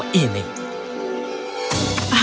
tapi dia tidak akan mencari penyelesaian